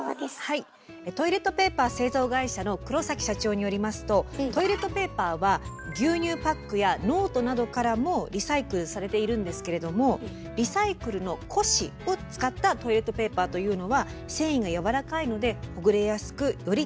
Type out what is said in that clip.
トイレットペーパー製造会社の黒社長によりますとトイレットペーパーは牛乳パックやノートなどからもリサイクルされているんですけれどもリサイクルの古紙を使ったトイレットペーパーというのは繊維がやわらかいのでほぐれやすくより